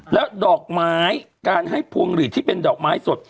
แล้วดอกไม้การให้พวงหลีดที่เป็นดอกไม้สด